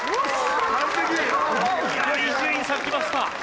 いや伊集院さんきました。